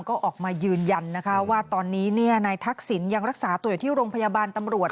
ก็ออกมายืนยันนะคะว่าตอนนี้นายทักษิณยังรักษาตัวอยู่ที่โรงพยาบาลตำรวจ